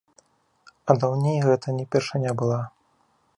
А даўней гэта не першыня была.